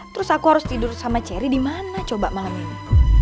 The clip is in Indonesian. terus aku harus tidur sama ceri dimana coba malem ini